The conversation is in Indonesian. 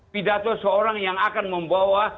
pidato seorang yang akan membawa